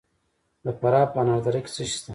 د فراه په انار دره کې څه شی شته؟